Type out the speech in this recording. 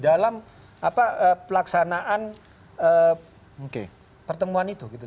dalam pelaksanaan pertemuan itu